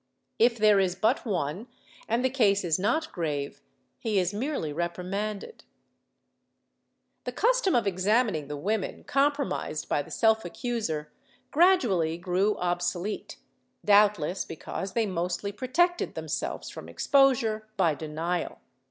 If there is but one and the case is not grave, he is merely reprimanded/ The custom of examining the women compromised by the self accuser gradually grew obsolete, doubtless because they mostly protected themselves from exposure by denial.